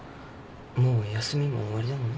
もう休みも終わりだもんな。